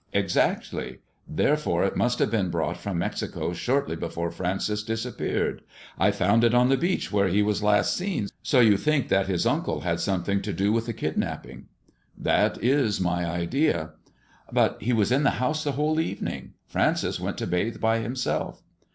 " Exactly 1 Therefore it must have been brought from Alexico shortly before Francis disappeared. I found it on the beocb where he was last aeon, so " 292 THE JESUIT AND THE MEXICAN COIN " So you think that his uncle had something to do with the kidnapping V " That is my idea." " But he was in the house the whole evening. Francis went to bathe by himself."